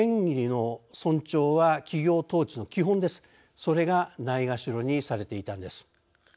それがないがしろにされていたのです。